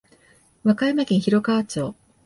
和歌山県広川町